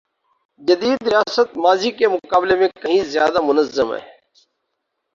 جدید ریاست ماضی کے مقابلے میں کہیں زیادہ منظم ہے۔